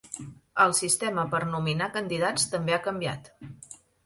El sistema per nominar candidats també ha canviat.